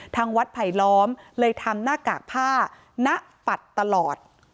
ทางวัดไผลล้อมเลยทำหน้ากากผ้าณปัดตลอด